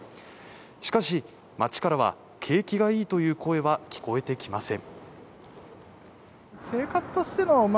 しかし、街からは景気がいいという声は聞こえてきません。